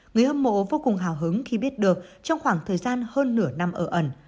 người hâm mộ vô cùng hào hứng khi biết được trong khoảng thời gian hơn nửa năm ở ẩn